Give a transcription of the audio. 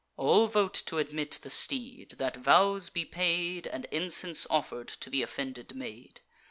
All vote t' admit the steed, that vows be paid And incense offer'd to th' offended maid.